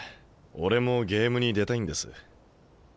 俺もゲームに出たいんです。